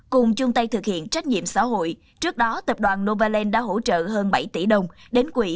cùng chung tay thực hiện trách nhiệm xã hội trước đó tập đoàn novaland đã hỗ trợ hơn bảy tỷ đồng đến quỹ